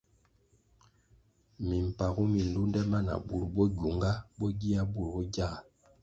Mimpagu mi lunde ma na burʼ bo gyunga bo gia burʼ bo gyaga.